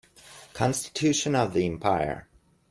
Constitution of the empire.